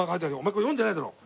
これ読んでないだろ。